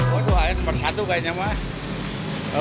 waduh air nomor satu kayaknya mah